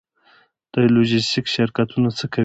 د لوژستیک شرکتونه څه کوي؟